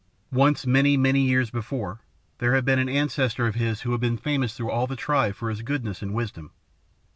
"Once, many, many years before, there had been an ancestor of his who had been famous through all the tribe for his goodness and wisdom.